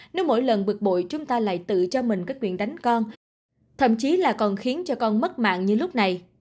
nếu mỗi lần bực bội chúng ta lại tự cho mình các quyền đánh con thậm chí là còn khiến cho con mất mạng như lúc này